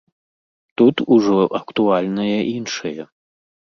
Тут ужо актуальнае іншае.